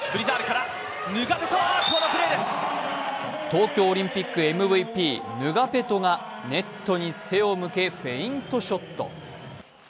東京オリンピックＭＶＰヌガペトがネットに背を向けフェイントショット。